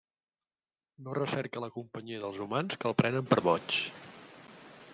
No recerca la companyia dels humans que el prenen per boig.